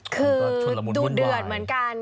คือดูเดือดเหมือนกัน